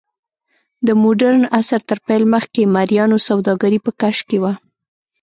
د موډرن عصر تر پیل مخکې مریانو سوداګري په کش کې وه.